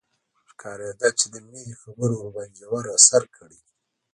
ښکارېده چې د مينې خبرو ورباندې ژور اثر کړی.